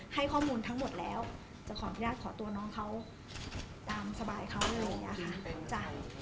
ให้ข้อมูลทั้งหมดแล้วจะขออนุญาตขอตัวน้องเขาตามสบายเขาอะไรอย่างนี้ค่ะ